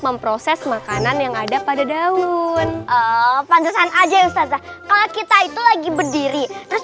memproses makanan yang ada pada daun oh pantesan aja ustazah kalau kita itu lagi berdiri terus